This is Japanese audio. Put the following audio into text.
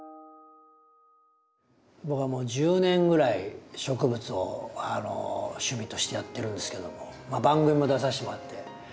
僕はもう１０年ぐらい植物をあの趣味としてやってるんですけどもまあ番組も出させてもらって。